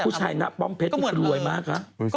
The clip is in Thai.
ผู้ใจป้องเผ็ดอีกถูกด้วยมากนะ